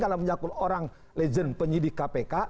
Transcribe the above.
karena mencakup orang legend penyidik kpk